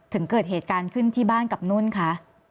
ถึงเกิดเหตุการณ์ขึ้นที่บ้านกับนุ่นคะ